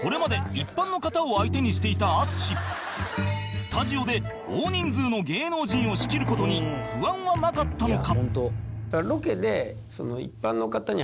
スタジオで大人数の芸能人を仕切る事に不安はなかったのか？